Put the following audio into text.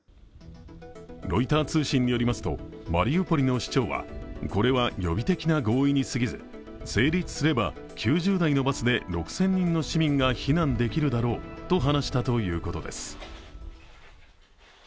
ロイター通信によりますとマリウポリの市長はこれは予備的な合意に過ぎず、成立すれば９０台のバスで６０００人の市民が避難できるだろうと話したということです。